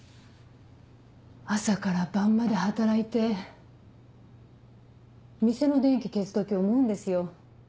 朝から晩まで働いて店の電気消す時思うんですよ。